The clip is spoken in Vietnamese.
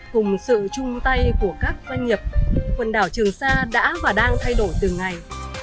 cùng sự chung tay của các doanh nghiệp quần đảo trường sa đã và đang thay đổi từng ngày